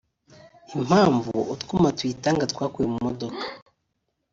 impamvu utwuma tuyitanga twakuwe mu modoka